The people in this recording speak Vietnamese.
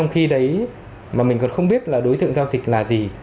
khi đấy mà mình còn không biết là đối tượng giao dịch là gì